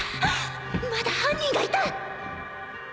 まだ犯人がいた！